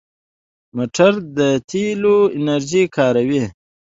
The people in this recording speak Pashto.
موټر د تېلو انرژي کاروي.